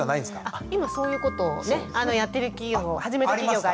あっ今そういうことをねやってる企業を始めた企業があります。